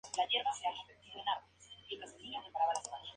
Al morir este al año siguiente, se casó con su viuda Teresa de León.